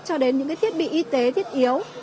cho đến những thiết bị y tế thiết yếu